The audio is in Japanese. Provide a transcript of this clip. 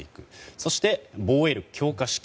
そして防衛力強化資金。